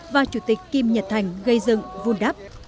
và chủ tịch kim nhật thành gây dựng vun đắp